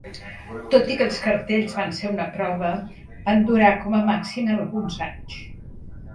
Tot i que els cartells van ser una prova, van durar com a màxim alguns anys.